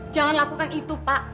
jangan lakukan itu pak